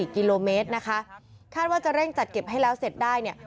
กิโลเมตรนะคะคาดว่าจะเร่งจัดเก็บให้แล้วเสร็จได้เนี่ย